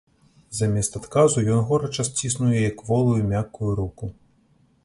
Замест адказу ён горача сціснуў яе кволую, мяккую руку.